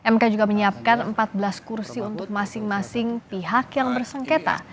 mk juga menyiapkan empat belas kursi untuk masing masing pihak yang bersengketa